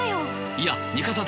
いや味方だ。